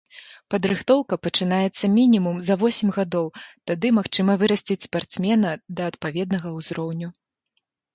Падрыхтоўка пачынаецца мінімум за восем гадоў, тады магчыма вырасціць спартсмена да адпаведнага ўзроўню.